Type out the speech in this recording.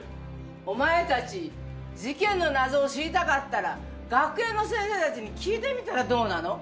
お前たち、事件の謎を知りたかったら、学園の先生たちに聞いてみたらどうなの。